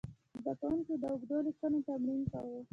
زده کوونکي د اوږدو لیکنو تمرین کاوه.